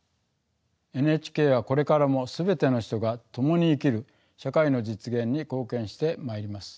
ＮＨＫはこれからも全ての人が共に生きる社会の実現に貢献してまいります。